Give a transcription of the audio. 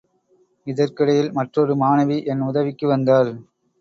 இதற்கிடையில் மற்றொரு மாணவி என் உதவிக்கு வந்தாள்.